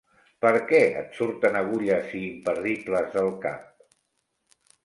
Per què et surten agulles i imperdibles del cap?